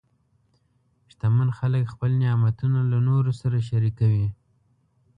شتمن خلک خپل نعمتونه له نورو سره شریکوي.